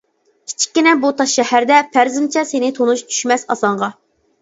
كىچىككىنە بۇ تاش شەھەردە، پەرىزىمچە سېنى تونۇش چۈشمەس ئاسانغا.